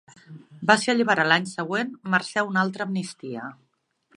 Va ser alliberat l'any següent mercè una altra amnistia.